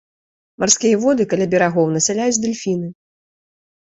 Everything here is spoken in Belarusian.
Марскія воды каля берагоў насяляюць дэльфіны.